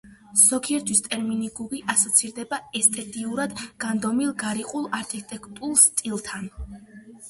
ზოგისთვის ტერმინი გუგი ასოცირდება ესთეტიურად განდგომილ, გარიყულ არქიტექტურულ სტილთან.